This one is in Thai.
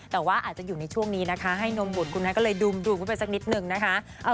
แต่ว่าอาจจะอยู่ในช่วงนี้นะคะให้นมบุญคุณฮะก็เลยดูมดูมไว้ไปสักนิดหนึ่งนะคะ